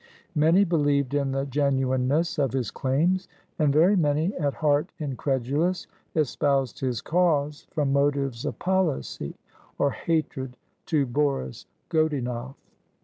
Many believed in the genuineness of his claims; and very many, at heart incredulous, espoused his cause from motives of policy, or hatred to Boris Godunof